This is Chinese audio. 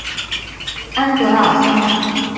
安戈尔桑。